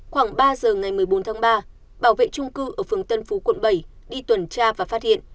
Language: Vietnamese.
khoảng ba giờ ngày một mươi bốn tháng ba bảo vệ trung cư ở phường tân phú quận bảy đi tuần tra và phát hiện